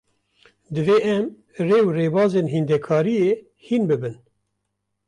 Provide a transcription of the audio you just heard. Divê em, rê û rêbazên hîndekariyê hîn bibin